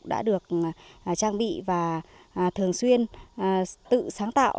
đã được trang bị và thường xuyên tự sáng tạo